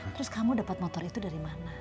terus kamu dapat motor itu dari mana